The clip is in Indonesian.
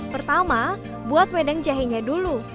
pertama buat wedang jahenya dulu